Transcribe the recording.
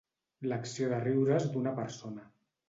L'acció de riure's d'una persona.